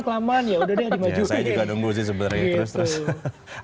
kelamaan ya udah deh dimajuin saya juga nunggu nih